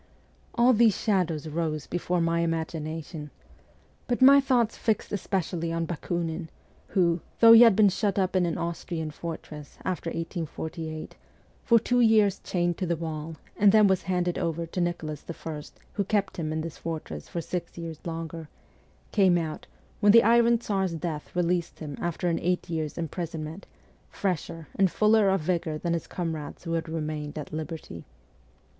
All these shadows rose before my imagination. But my thoughts fixed especially on Bakunin, who, though he had been shut up in an Austrian fortress, after 1848, for two years chained to the wall, and then was handed over to Nicholas I. who kept him in this fortress for six years longer, came out, when the Iron Tsar's death released him after an eight years' imprison ment, fresher and fuller of vigour than his comrades who had remained at liberty.